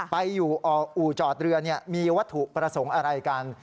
ไปอยู่อู่จอดเรือมีวัตถุประสงค์อะไรกัน